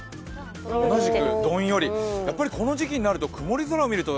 同じくどんより、やっぱりこの時期になると曇り空を見ると